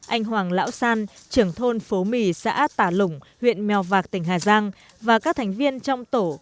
anh hoàng lão san trưởng thôn phố mì xã tà lũng huyện mèo vạc tỉnh hà giang và các thành viên trong tổ